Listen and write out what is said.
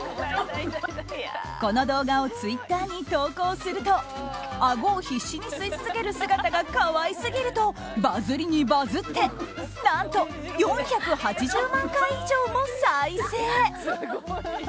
この動画をツイッターに投稿するとあごを必死に吸い続ける姿が可愛すぎるとバズりにバズって何と、４８０万回以上も再生！